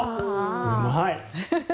うまい！